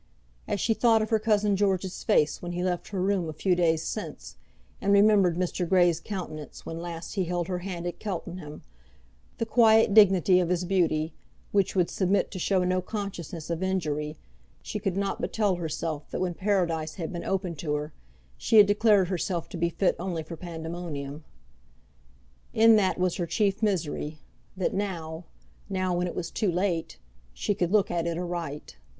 As she thought of her cousin George's face when he left her room a few days since, and remembered Mr. Grey's countenance when last he held her hand at Cheltenham, the quiet dignity of his beauty which would submit to show no consciousness of injury, she could not but tell herself that when Paradise had been opened to her, she had declared herself to be fit only for Pandemonium. In that was her chief misery; that now, now when it was too late, she could look at it aright.